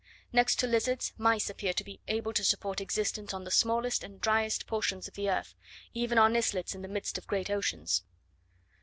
Next to lizards, mice appear to be able to support existence on the smallest and driest portions of the earth even on islets in the midst of great oceans.